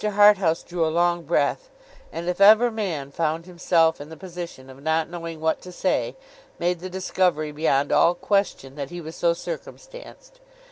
Harthouse drew a long breath; and, if ever man found himself in the position of not knowing what to say, made the discovery beyond all question that he was so circumstanced.